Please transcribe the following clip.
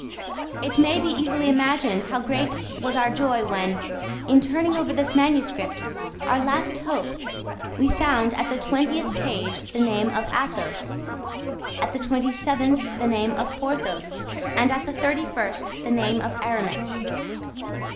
It may be easily imagined how great was our joy when, in turning over this manuscript, our last hope, we found at the twentieth page the name of Athos, at the twenty seventh the name of Porthos, and at the thirty first the name of Aramis.